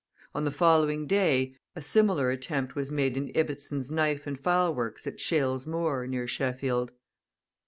On the following day, a similar attempt was made in Ibbetson's knife and file works at Shales Moor, near Sheffield.